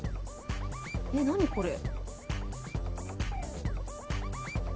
えっ何これ？